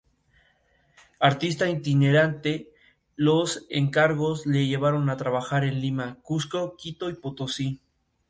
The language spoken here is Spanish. Artista itinerante, los encargos le llevaron a trabajar en Lima, Cuzco, Quito y Potosí.